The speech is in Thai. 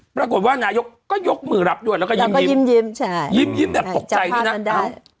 ปรากฏว่านายกก็ยกมือรับด้วยแล้วก็ยิ้มใช่ยิ้มแบบตกใจด้วยนะ